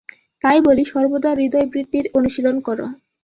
তাই বলি, সর্বদা হৃদয়বৃত্তির অনুশীলন কর।